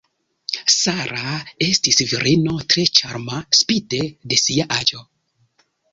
Sara estis virino tre ĉarma spite de sia aĝo.